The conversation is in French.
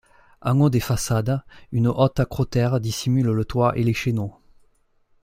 En haut des façades, une haute acrotère dissimule le toit et les chéneaux.